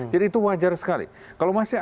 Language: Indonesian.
jadi itu wajar sekali kalau masyarakat